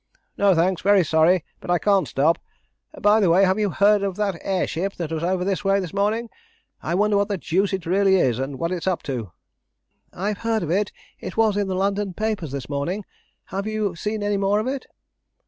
"No, thanks. Very sorry, but I can't stop. By the way, have you heard of that air ship that was over this way this morning? I wonder what the deuce it really is, and what it's up to?" "I've heard of it; it was in the London papers this morning. Have you seen any more of it?"